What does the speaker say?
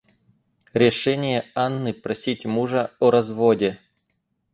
Решение Анны просить мужа о разводе.